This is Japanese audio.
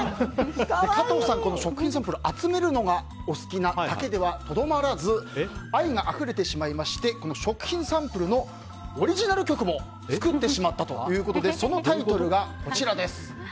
加藤さん食品サンプルを集めるのがお好きなだけではとどまらず愛があふれてしまいまして食品サンプルのオリジナル曲も作ってしまったということでそのタイトル